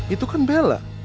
itu kan bella